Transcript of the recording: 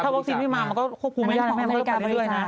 ถ้าวัคซีนไม่มามันก็ควบคุมไม่ได้แม่มันก็ไปเรื่อยนะ